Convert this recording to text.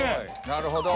なるほど。